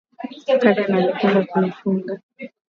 Karen alipenda kunifunga